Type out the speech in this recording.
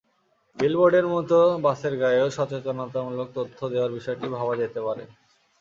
বিলবোর্ডের মতো বাসের গায়েও সচেতনতামূলক তথ্য দেওয়ার বিষয়টি ভাবা যেতে পারে।